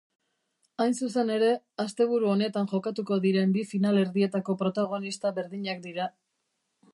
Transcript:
Hain zuzen ere, asteburu honetan jokatuko diren bi finalerdietako protagonista berdinak dira.